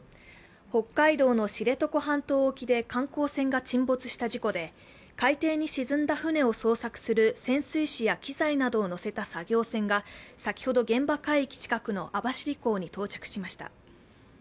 北海道の知床半島沖で観光船が沈没した事故で海底に沈んだ船を捜索する潜水士や機材などを乗せた作業船が先ほど現場海域近くの網走港に到着しました。